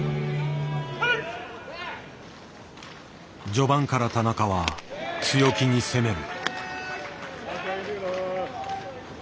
序盤から田中は強気に攻める。